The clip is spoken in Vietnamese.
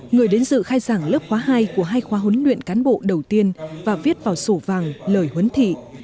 người đến dự khai giảng lớp khóa hai của hai khóa huấn luyện cán bộ đầu tiên và viết vào sổ vàng lời huấn thị